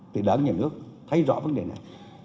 thì đảng nhà nước thấy rõ vấn đề này